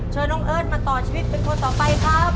เชิญน้องเอิ้นมาต่อชีวิตเป็นคนต่อไปครับ